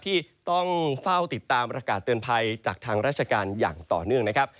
ที่ต้องเฝ้าติดตามประกาศเตือนภัยจากทางราชการอย่างต่อเนื่องนะครับ